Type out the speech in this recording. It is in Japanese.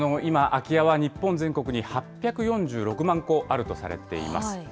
今、空き家は日本全国に８４６万戸あるとされています。